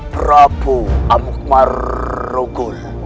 prabowo amuk marunggul